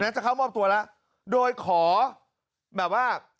จะเข้ามอบตัวแล้วโดยขอแบบว่า